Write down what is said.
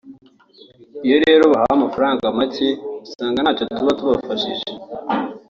iyo rero bahawe amafaranga make usanga ntacyo tuba tubafashije